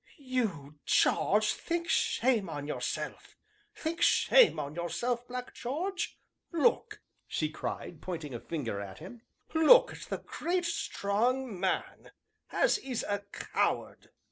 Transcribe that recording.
you, Jarge, think shame on yourself think shame on yourself, Black Jarge. Look!" she cried, pointing a finger at him, "look at the great, strong man as is a coward!"